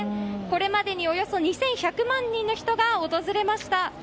これまでにおよそ２１００万人の人が訪れました。